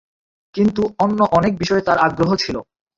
কিন্তু, অন্য অনেক বিষয়ে তার আগ্রহ ছিল।